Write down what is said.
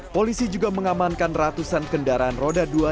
polisi juga mengamankan ratusan kendaraan roda dua